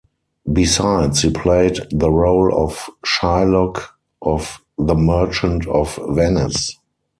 Besides he played the role of Shylock of "The Merchant of Venice".